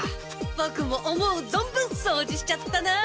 ボクも思うぞんぶんそうじしちゃったなあ。